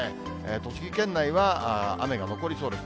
栃木県内は雨が残りそうです。